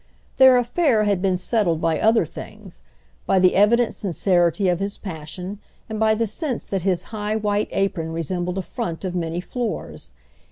Their affair had been settled by other things: by the evident sincerity of his passion and by the sense that his high white apron resembled a front of many floors.